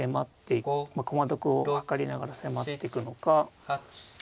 駒得をはかりながら迫っていくのか。